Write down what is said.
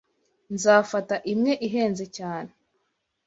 Nzafata imwe ihenze cyane.